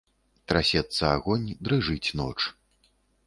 Трасецца агонь, дрыжыць ноч.